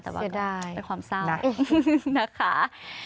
เสียดายรักนะคะเป็นความเศร้า